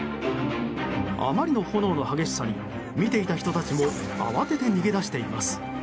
あまりの炎の激しさに見ていた人たちも慌てて逃げ出しています。